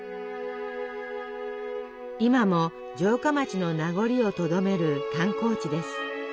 今も城下町の名残をとどめる観光地です。